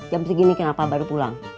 jam segini kenapa baru pulang